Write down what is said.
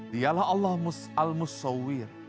dialah allah al musawwir